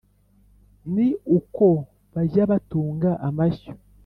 ni uko bajya batunga amashyo